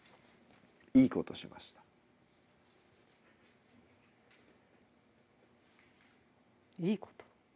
いいことしましたいいこと